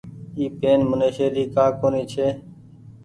اي پين منيشي ري ڪآ ڪونيٚ ڇي۔